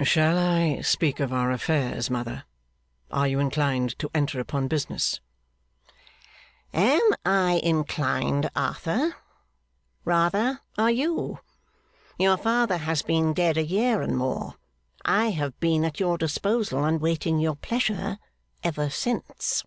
'Shall I speak of our affairs, mother? Are you inclined to enter upon business?' 'Am I inclined, Arthur? Rather, are you? Your father has been dead a year and more. I have been at your disposal, and waiting your pleasure, ever since.